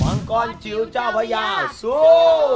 มังกรจิ๋วเจ้าพญาสู้